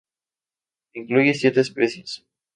Incluye siete especies.